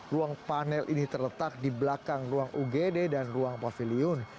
ruang panel ini terletak di belakang ruang ugd dan ruang pavilion